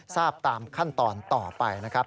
ทราบตามขั้นตอนต่อไปนะครับ